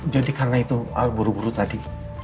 jadi karena itu al buru buru tadi